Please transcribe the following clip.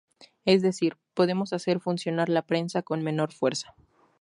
Es decir, podemos hacer funcionar la prensa con menor fuerza.